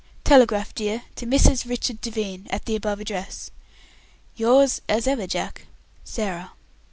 Telegraph, dear, to Mrs. Richard Devine, at above address. "Yours as ever, Jack, "SARAH.